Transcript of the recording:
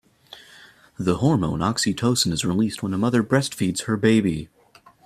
The hormone oxytocin is released when a mother breastfeeds her baby.